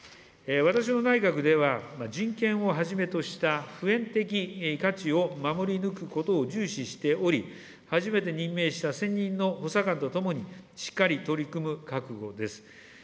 私の内閣では、人権をはじめとした普遍的価値を守り抜くことを重視しており、初めて任命した専任の補佐官とともに、しっかり取り組む覚悟です。